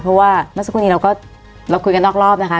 เพราะว่าเมื่อสักครู่นี้เราก็เราคุยกันนอกรอบนะคะ